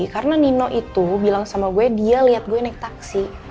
karena nino itu bilang sama gue dia liat gue naik taksi